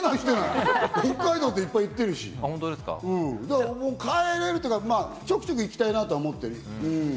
北海道っていっぱい行ってるし、帰るっていうか、ちょくちょく行きたいなと思っている。